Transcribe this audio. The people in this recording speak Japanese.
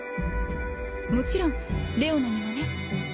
もちろんレオナにもね。